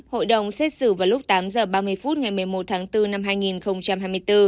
hội đồng xét xử vào lúc tám h ba mươi phút ngày một mươi một tháng bốn năm hai nghìn hai mươi bốn